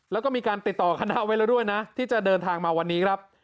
แล้วก็มีการติดต่อคณะไว้แล้วด้วยนะที่จะเดินทางมาวันนี้ครับ